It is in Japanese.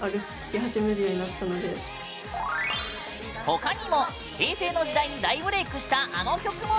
他にも、平成の時代に大ブレークした、あの曲も！